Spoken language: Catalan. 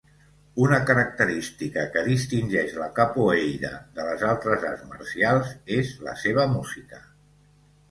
Una característica que distingeix la capoeira de les altres arts marcials és la seva música.